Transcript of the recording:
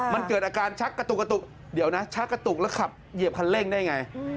มันเกิดอาการชักกระตุกกระตุกเดี๋ยวนะชักกระตุกแล้วขับเหยียบคันเร่งได้ไง